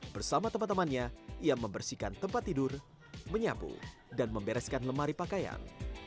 bersama teman temannya ia membersihkan tempat tidur menyapu dan membereskan lemari pakaian